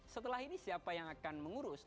setelah ini siapa yang akan mengurus